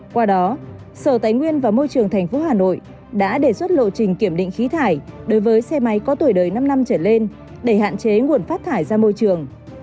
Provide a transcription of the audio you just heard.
qua đó sở tài nguyên và môi trường tp hà nội đã đề xuất lộ trình kiểm định khí thải đối với xe máy có tuổi đời năm năm trở lên để hạn chế nguồn phát thải ra môi trường